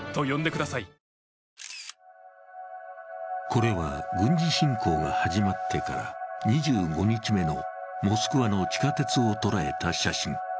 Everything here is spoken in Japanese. これは軍事侵攻が始まってから２５日目のモスクワの地下鉄を捉えた写真。